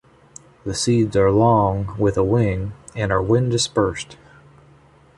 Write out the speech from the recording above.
The seeds are long, with a wing, and are wind-dispersed.